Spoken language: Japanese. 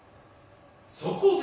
そこで。